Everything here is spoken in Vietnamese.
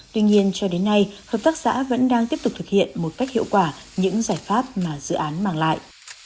tuy nhiên cho đến nay hợp tác xã vẫn đang tiếp tục thực hiện một cách hiệu quả những giải pháp mà dự án mang lại